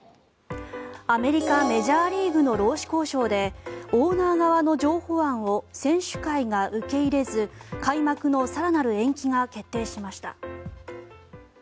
アメリカ・メジャーリーグの労使交渉でオーナー側の譲歩案を選手会が受け入れず開幕の更なる延期が決定しました。